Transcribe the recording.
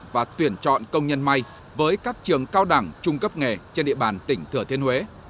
và tuyển chọn công nhân may với các trường cao đẳng trung cấp nghề trên địa bàn tỉnh thừa thiên huế